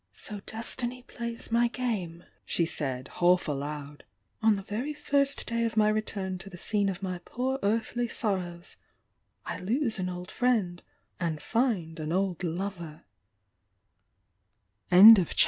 "So Destiny plays my game!" she said, half aloud. "On the very first day of my return to the scene of my poor earthly sorrows I lose an old friend and find an old lover I" '' 'i ■ i.